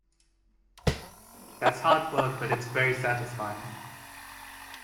That's hard work, but it's very satisfying.